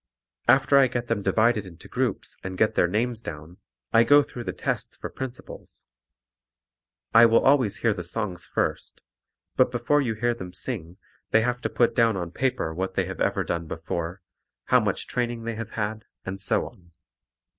After I get them divided into groups and get their names down, I go through the tests for principals. I will always hear the songs first; but before you hear them sing they have to put down on paper what they have ever done before, how much training they have had, and so on.